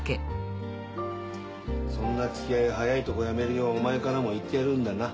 そんなつきあい早いとこやめるようお前からも言ってやるんだな。